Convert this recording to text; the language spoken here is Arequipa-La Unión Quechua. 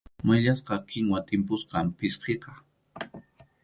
Mayllasqa kinwa tʼimpusqam pʼsqiqa.